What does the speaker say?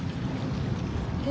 え？